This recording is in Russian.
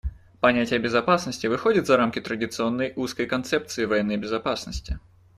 Понятие безопасности выходит за рамки традиционной узкой концепции военной безопасности.